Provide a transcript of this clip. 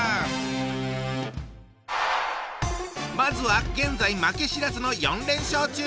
まずは現在負け知らずの４連勝中！